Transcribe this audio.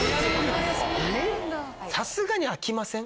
さすがに飽きません？